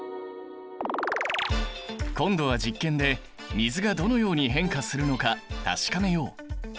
今度は実験で水がどのように変化するのか確かめよう！